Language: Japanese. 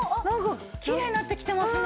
きれいになってきてますね！